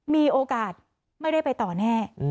มีโอกาสไม่ได้ไปต่อแน่